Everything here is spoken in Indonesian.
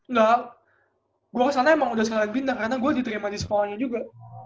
enggak gue kesana emang udah sekali lagi bintang karena gue diterima di sekolahnya juga